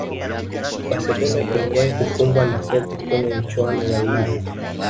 barcelona iliwahi kufungwa na celtic kwenye michuano ya ulaya